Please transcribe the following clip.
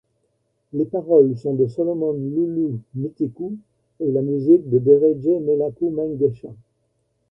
Les paroles sont de Solomon Lulu Mitiku et la musique de Dereje Melaku Mengesha.